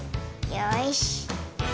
よし。